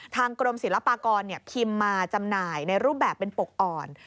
ทางกรมศิลปากรพิมพ์มาจำหน่ายในรูปแบบเป็นปกอ่อน